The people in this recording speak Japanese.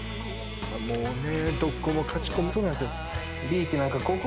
もうねどこもかしこもそうなんですよ